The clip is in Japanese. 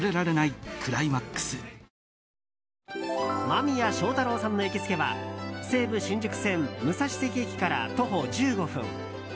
間宮祥太朗さんの行きつけは西武新宿線武蔵関駅から徒歩１５分。